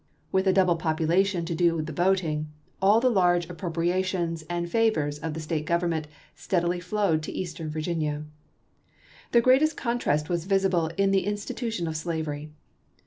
With a double population to do the voting, all the large appropriations and favors of the State government steadily flowed to Eastern Virginia. The greatest contrast was visible in the institu tion of slavery.